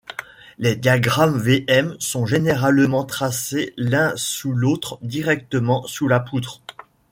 Les diagrammes V-M sont généralement tracés l'un sous l'autre directement sous la poutre.